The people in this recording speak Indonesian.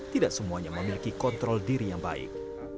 tidak semuanya memiliki kontrol diri yang baik